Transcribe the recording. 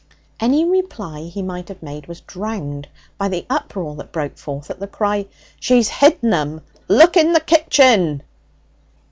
Any reply he might have made was drowned by the uproar that broke forth at the cry, 'She's hidden 'em! Look in the kitchen!'